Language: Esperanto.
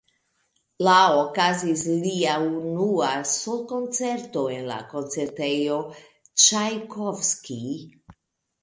La okazis lia unua sol-koncerto en la koncertejo "Ĉajkovskij".